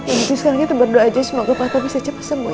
untuk berikutnya kita berdoa aja semoga pak bisa cepat semua ya